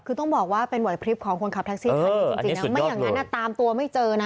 คือต้องบอกว่าเป็นวัยพลิปของคนขับทรัคซีนไม่อย่างนั้นเนี่ยตามตัวไม่เจอนะ